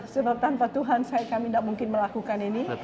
sebab tanpa tuhan kami tidak mungkin melakukan ini